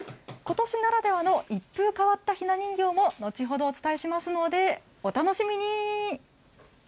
ことしならではの一風変わったひな人形も、後ほどお伝えしますのでお楽しみに。